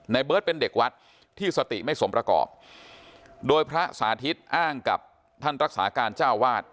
เบิร์ตเป็นเด็กวัดที่สติไม่สมประกอบโดยพระสาธิตอ้างกับท่านรักษาการเจ้าวาด